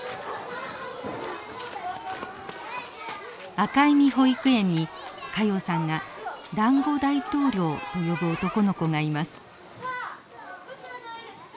朱い実保育園に加用さんが「だんご大統領」と呼ぶ男の子がいます。